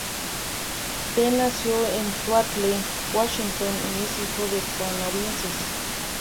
Tee nació en Seattle, Washington y es hijo de canadienses.